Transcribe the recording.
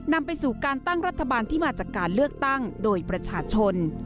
นำไปสู่การตั้งรัฐบาลที่มาจากการเลือกตั้งโดยประชาชน